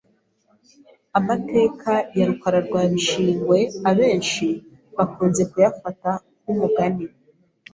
Amateka ya Rukara rwa Bishingwe abenshi bakunze kuyafata nk’umugani